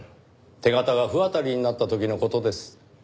手形が不渡りになった時の事です。